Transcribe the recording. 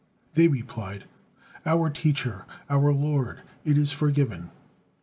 They replied: "Our teacher, our lord, it is forgiven."